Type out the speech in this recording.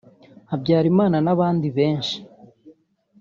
Habyarimana n’abandi benshi)